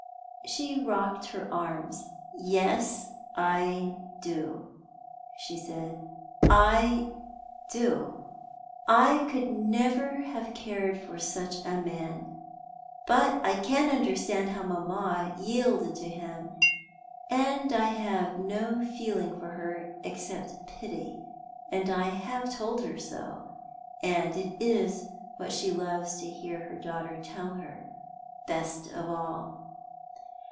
She rocked her arms. "Yes, I do," she said; "I do. I could never have cared for such a man; but I can understand how mamma yielded to him, and I have no feeling for her except pity, and I have told her so, and it is what she loves to hear her daughter tell her best of all."